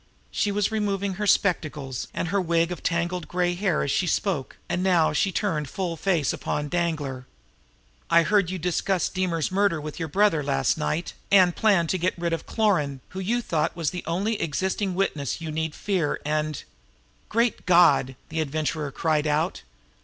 She was removing her spectacles and her wig of tangled gray hair as she spoke, and now she turned her face full upon Danglar. "I heard you discuss Deemer's murder with your brother last night, and plan to get rid of Cloran, who you thought was the only existing witness you need fear, and " "Great God!" The Adventurer cried out.